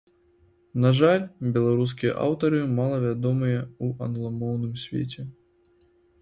На жаль, беларускія аўтары мала вядомыя ў англамоўным свеце.